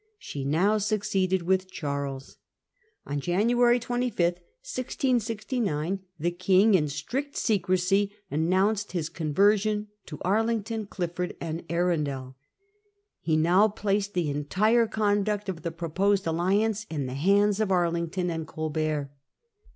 She now succeeded with Charles. On January 25, 1669, the King in strict secrecy announced his conversion to Arlington, Clifford, and Arundel. He now placed the entire conduct of the proposed alliance in the hands of Arlington and Colbert.